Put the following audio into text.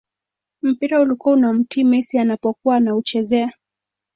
mpira ulikuwa unamtii messi anapokuwa anauchezea